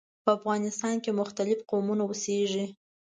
په افغانستان کې مختلف قومونه اوسیږي.